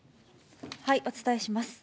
お伝えします。